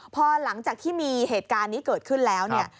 พอหลังจากที่มีเหตุการณ์นี้เกิดขึ้นแล้วเนี่ย